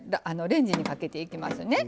レンジにかけていきますね。